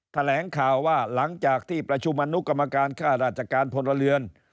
แถลงข่าวว่าหลังจากที่ประชุมอนุกรรมการค่าราชการพลเรือน